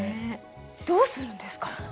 どうするんですか？